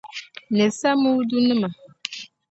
Ni Samuudu nima.